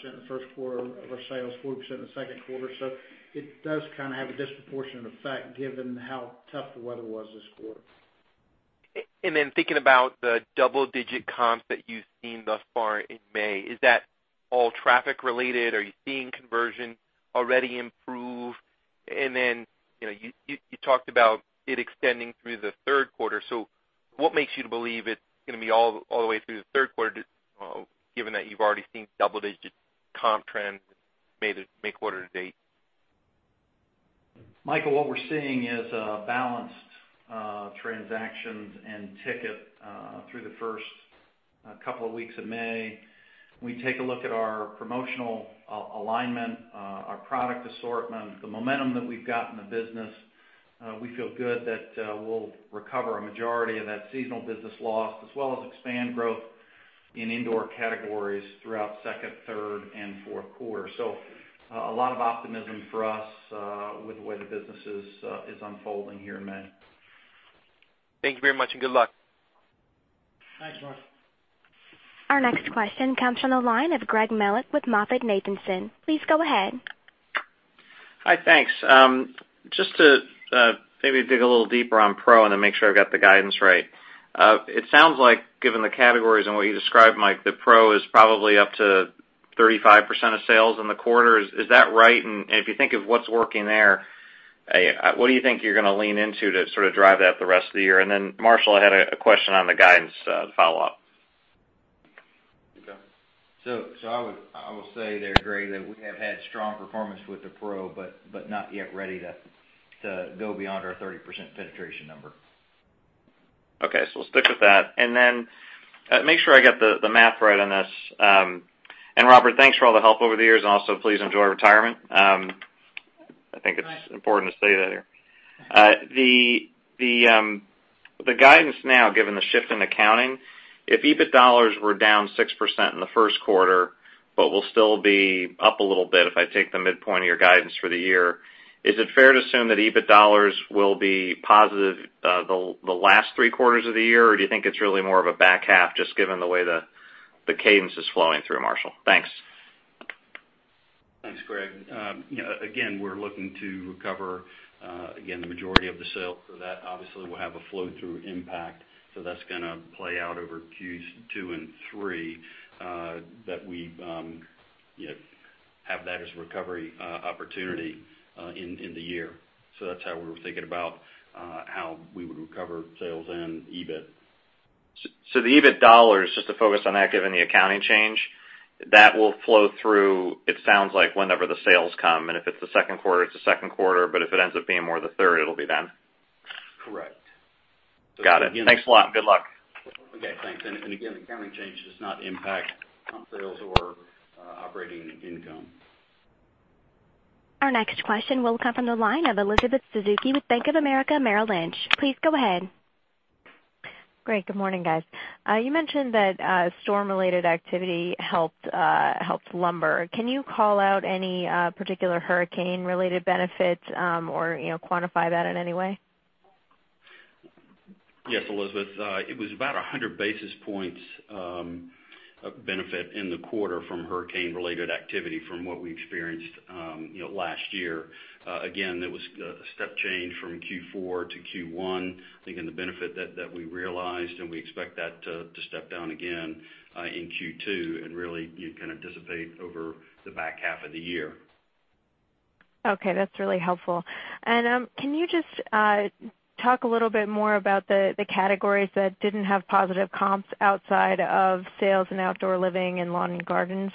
in the first quarter of our sales, 40% in the second quarter. It does have a disproportionate effect given how tough the weather was this quarter. Thinking about the double-digit comps that you've seen thus far in May, is that all traffic related? Are you seeing conversion already improve? Then, you talked about it extending through the third quarter. What makes you believe it's going to be all the way through the third quarter, given that you've already seen double-digit comp trends May quarter to date? Michael, what we're seeing is a balanced transactions and ticket through the first couple of weeks of May. We take a look at our promotional alignment, our product assortment, the momentum that we've got in the business. We feel good that we'll recover a majority of that seasonal business loss as well as expand growth in indoor categories throughout second, third, and fourth quarter. A lot of optimism for us with the way the business is unfolding here in May. Thank you very much, and good luck. Thanks, Michael. Our next question comes from the line of Greg Melich with MoffettNathanson. Please go ahead. Hi, thanks. Just to maybe dig a little deeper on Pro and then make sure I've got the guidance right. It sounds like given the categories and what you described, Mike, that Pro is probably up to 35% of sales in the quarter. Is that right? If you think of what's working there, what do you think you're going to lean into to sort of drive that the rest of the year? Marshall, I had a question on the guidance to follow up. Okay. I will say there, Greg, that we have had strong performance with the Pro but not yet ready to go beyond our 30% penetration number. Okay. We'll stick with that. Then, make sure I get the math right on this. Robert, thanks for all the help over the years and also please enjoy retirement. I think it's important to say that here. The guidance now, given the shift in accounting, if EBIT dollars were down 6% in the first quarter, but will still be up a little bit if I take the midpoint of your guidance for the year, is it fair to assume that EBIT dollars will be positive the last three quarters of the year? Or do you think it's really more of a back half, just given the way the cadence is flowing through, Marshall? Thanks. Thanks, Greg. Again, we're looking to recover the majority of the sales. That obviously will have a flow-through impact, so that's going to play out over Q2 and three that we have that as a recovery opportunity in the year. That's how we were thinking about how we would recover sales and EBIT. The EBIT dollars, just to focus on that given the accounting change, that will flow through, it sounds like whenever the sales come, and if it's the second quarter, it's the second quarter, but if it ends up being more the third, it'll be then. Correct. Got it. Thanks a lot. Good luck. Okay, thanks. Again, the accounting change does not impact comp sales or operating income. Our next question will come from the line of Elizabeth Suzuki with Bank of America Merrill Lynch. Please go ahead. Great. Good morning, guys. You mentioned that storm-related activity helped lumber. Can you call out any particular hurricane-related benefits or quantify that in any way? Yes, Elizabeth. It was about 100 basis points of benefit in the quarter from hurricane-related activity from what we experienced last year. Again, it was a step change from Q4 to Q1. Thinking the benefit that we realized, and we expect that to step down again in Q2 and really kind of dissipate over the back half of the year. Okay, that's really helpful. Can you just talk a little bit more about the categories that didn't have positive comps outside of sales and outdoor living and lawn and garden.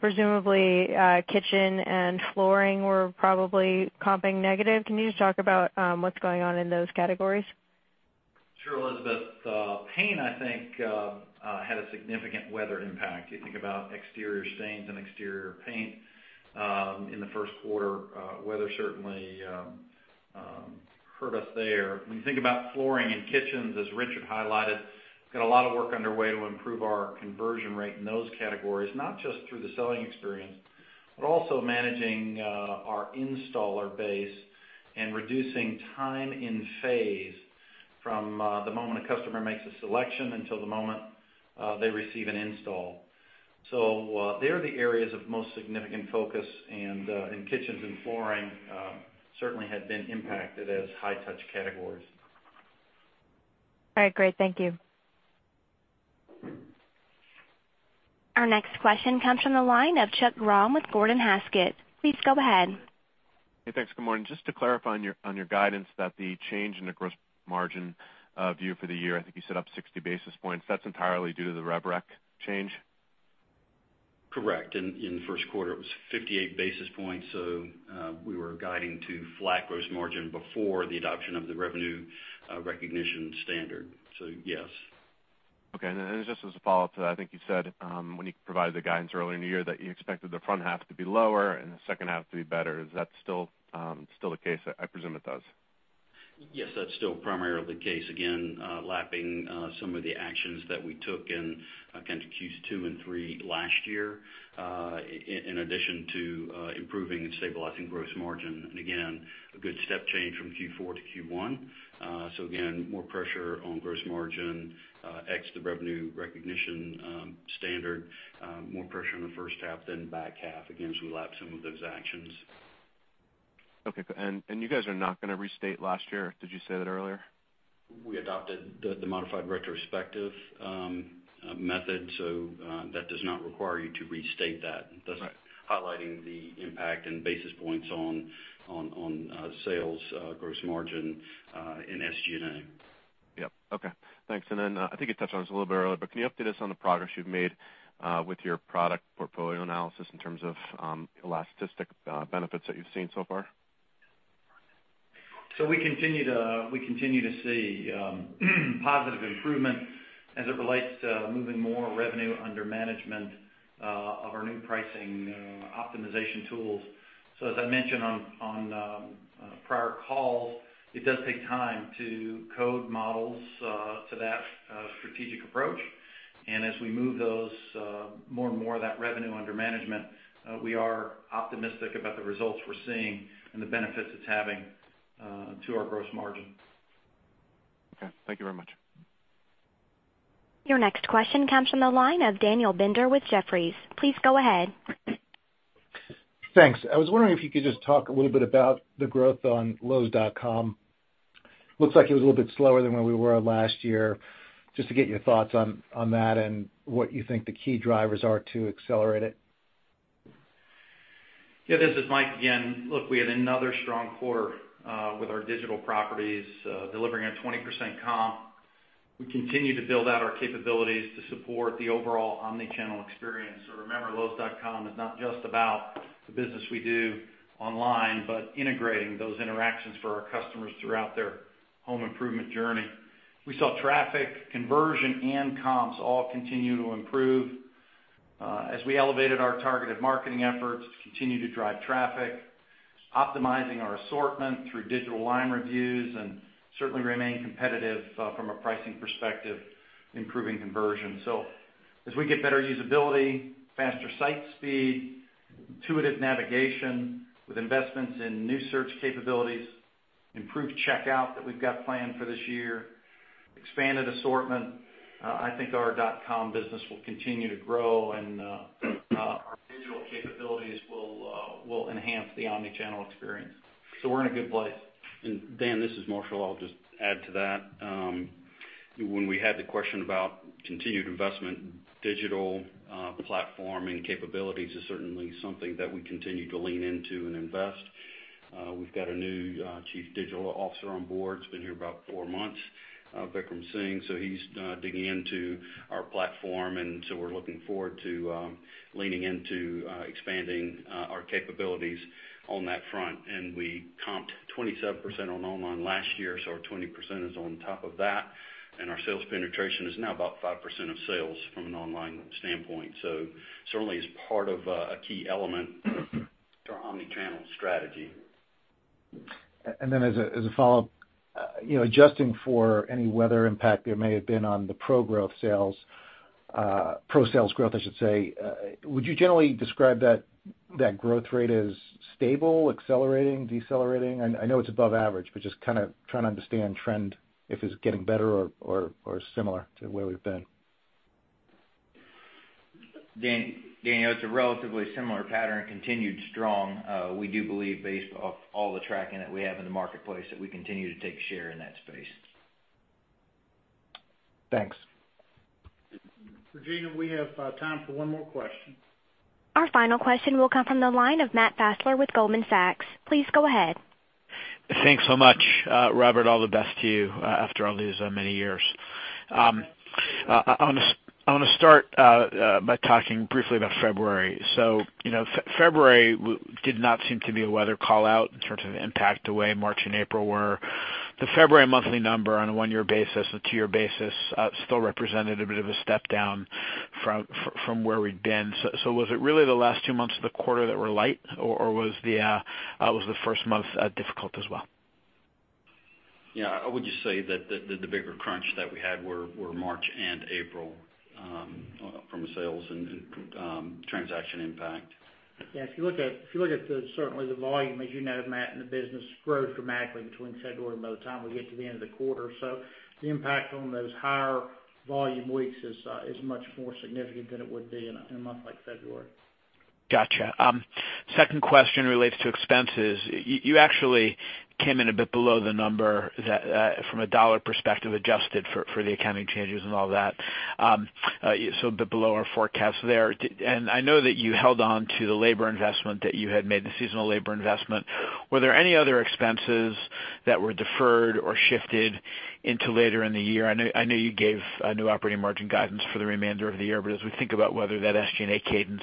Presumably, kitchen and flooring were probably comping negative. Can you just talk about what's going on in those categories? Sure, Elizabeth. Paint, I think, had a significant weather impact. You think about exterior stains and exterior paint in the first quarter, weather certainly hurt us there. You think about flooring and kitchens, as Richard highlighted, got a lot of work underway to improve our conversion rate in those categories, not just through the selling experience, but also managing our installer base and reducing time in phase from the moment a customer makes a selection until the moment they receive an install. They're the areas of most significant focus, and kitchens and flooring certainly had been impacted as high touch categories. All right, great. Thank you. Our next question comes from the line of Chuck Grom with Gordon Haskett. Please go ahead. Hey, thanks. Good morning. Just to clarify on your guidance that the change in the gross margin view for the year, I think you said up 60 basis points, that's entirely due to the rev rec change? Correct. In the first quarter it was 58 basis points. We were guiding to flat gross margin before the adoption of the revenue recognition standard. Yes. Okay. Just as a follow-up to that, I think you said, when you provided the guidance earlier in the year, that you expected the front half to be lower and the second half to be better. Is that still the case? I presume it does. Yes, that's still primarily the case. Again, lapping some of the actions that we took in, again, Q2 and three last year, in addition to improving and stabilizing gross margin. Again, a good step change from Q4 to Q1. Again, more pressure on gross margin, ex the revenue recognition standard. More pressure in the first half than back half. Again, as we lap some of those actions. Okay. You guys are not gonna restate last year, did you say that earlier? We adopted the modified retrospective method, so that does not require you to restate that. Right. Just highlighting the impact and basis points on sales, gross margin, and SG&A. Yep. Okay. Thanks. I think you touched on this a little bit earlier, but can you update us on the progress you've made with your product portfolio analysis in terms of elastic benefits that you've seen so far? We continue to see positive improvement as it relates to moving more revenue under management of our new pricing optimization tools. As I mentioned on prior calls, it does take time to code models to that strategic approach. As we move more and more of that revenue under management, we are optimistic about the results we're seeing and the benefits it's having to our gross margin. Okay. Thank you very much. Your next question comes from the line of Daniel Binder with Jefferies. Please go ahead. Thanks. I was wondering if you could just talk a little bit about the growth on lowes.com. Looks like it was a little bit slower than where we were last year. Just to get your thoughts on that and what you think the key drivers are to accelerate it. Yeah, this is Mike again. Look, we had another strong quarter, with our digital properties, delivering a 20% comp. We continue to build out our capabilities to support the overall omni-channel experience. Remember, lowes.com is not just about the business we do online, but integrating those interactions for our customers throughout their home improvement journey. We saw traffic conversion and comps all continue to improve. As we elevated our targeted marketing efforts to continue to drive traffic, optimizing our assortment through digital line reviews, and certainly remain competitive from a pricing perspective, improving conversion. As we get better usability, faster site speed, intuitive navigation with investments in new search capabilities, improved checkout that we've got planned for this year, expanded assortment, I think our .com business will continue to grow and our digital capabilities will enhance the omni-channel experience. We're in a good place. Dan, this is Marshall, I'll just add to that. When we had the question about continued investment, digital platform and capabilities is certainly something that we continue to lean into and invest. We've got a new Chief Digital Officer on board, he's been here about four months, Vikram Singh. He's digging into our platform, we're looking forward to leaning into expanding our capabilities on that front. We comped 27% on online last year, our 20% is on top of that. Our sales penetration is now about 5% of sales from an omni-channel standpoint. Certainly is part of a key element to our omni-channel strategy. As a follow-up, adjusting for any weather impact there may have been on the pro sales growth, I should say. Would you generally describe that growth rate as stable, accelerating, decelerating? I know it's above average, but just kind of trying to understand trend, if it's getting better or similar to where we've been. Dan, it's a relatively similar pattern, continued strong. We do believe based off all the tracking that we have in the marketplace, that we continue to take share in that space. Thanks. Regina, we have time for one more question. Our final question will come from the line of Matt Fassler with Goldman Sachs. Please go ahead. Thanks so much. Robert, all the best to you after all these many years I want to start by talking briefly about February. February did not seem to be a weather call-out in terms of impact the way March and April were. The February monthly number on a one-year basis, a two-year basis, still represented a bit of a step down from where we'd been. Was it really the last two months of the quarter that were light, or was the first month difficult as well? Yeah. I would just say that the bigger crunch that we had were March and April from a sales and transaction impact. Yeah, if you look at certainly the volume, as you know, Matt, the business grows dramatically between February and by the time we get to the end of the quarter. The impact on those higher volume weeks is much more significant than it would be in a month like February. Got you. Second question relates to expenses. You actually came in a bit below the number from a dollar perspective, adjusted for the accounting changes and all that. A bit below our forecast there. I know that you held on to the labor investment that you had made, the seasonal labor investment. Were there any other expenses that were deferred or shifted into later in the year? I know you gave a new operating margin guidance for the remainder of the year, as we think about whether that SG&A cadence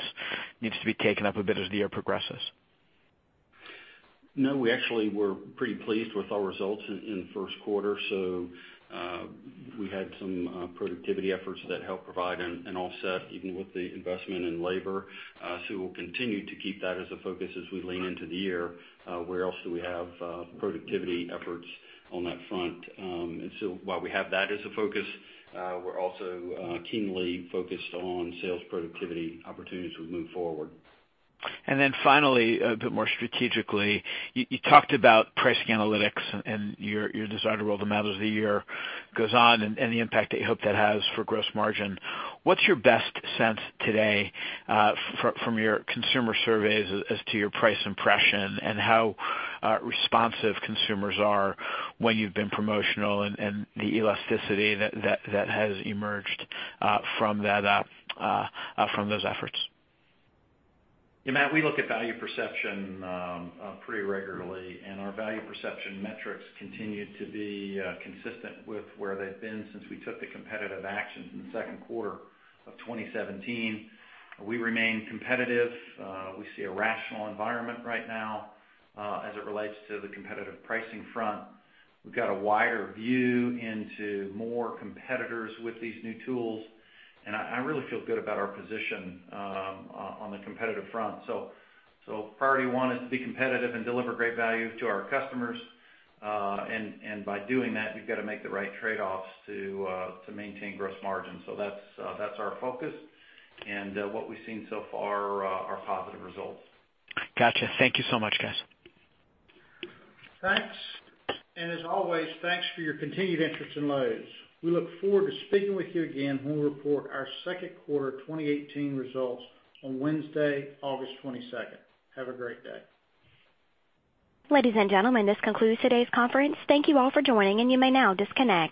needs to be taken up a bit as the year progresses. No, we actually were pretty pleased with our results in the first quarter. We had some productivity efforts that helped provide an offset even with the investment in labor. We'll continue to keep that as a focus as we lean into the year. Where else do we have productivity efforts on that front? While we have that as a focus, we're also keenly focused on sales productivity opportunities as we move forward. Finally, a bit more strategically, you talked about pricing analytics and your desire to roll them out as the year goes on and the impact that you hope that has for gross margin. What's your best sense today from your consumer surveys as to your price impression and how responsive consumers are when you've been promotional and the elasticity that has emerged from those efforts? Yeah, Matt, we look at value perception pretty regularly. Our value perception metrics continue to be consistent with where they've been since we took the competitive actions in the second quarter of 2017. We remain competitive. We see a rational environment right now as it relates to the competitive pricing front. We've got a wider view into more competitors with these new tools. I really feel good about our position on the competitive front. Priority one is to be competitive and deliver great value to our customers. By doing that, you've got to make the right trade-offs to maintain gross margin. That's our focus. What we've seen so far are positive results. Got you. Thank you so much, guys. Thanks. As always, thanks for your continued interest in Lowe's. We look forward to speaking with you again when we report our second quarter 2018 results on Wednesday, August 22nd. Have a great day. Ladies and gentlemen, this concludes today's conference. Thank you all for joining, and you may now disconnect.